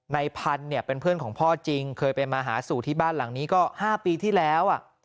ในพันธุ์เป็นเพื่อนของพ่อจริงเคยไปมาหาสู่ที่บ้านหลังนี้ก็๕ปีที่แล้ว